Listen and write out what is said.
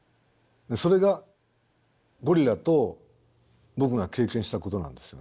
それがゴリラと僕が経験したことなんですよね。